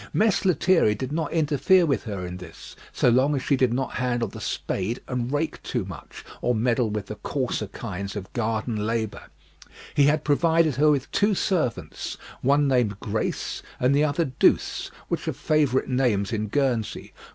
Mess Lethierry did not interfere with her in this, so long as she did not handle the spade and rake too much, or meddle with the coarser kinds of garden labour. He had provided her with two servants, one named Grace, and the other Douce, which are favourite names in Guernsey.